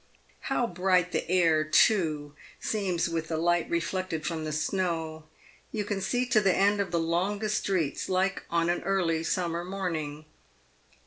How bright the air, too, seems with the light reflected from the snow. You can see to the end of the longest streets like on an early summer morning.